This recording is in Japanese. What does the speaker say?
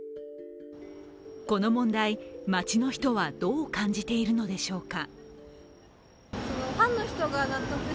この問題、街の人はどう感じているのでしょうか。